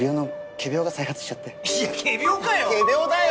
仮病だよ！